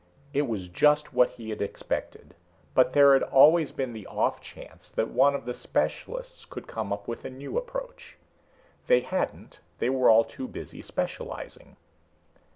It was just what he had expected. But there had always been the off chance that one of the specialists could come up with a new approach. They hadn't; they were all too busy specializing.